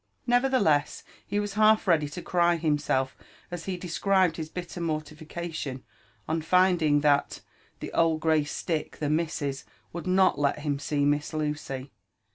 Nevertheless, he was half ready to cry himself as he described hi» bitter mortification on finding that "the old gray stick, the missis, " would not let him see Miss Lucy.